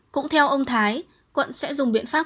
cũng theo ông thái quận sẽ dùng biện pháp